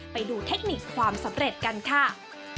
ไปดูเทคนิคความสำเร็จกันค่ะ